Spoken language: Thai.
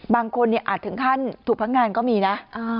บางคนอาจถึงขั้นถูกพักงานก็มีนะ